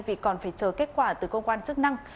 vì còn phải chờ kết quả từ cơ quan chức năng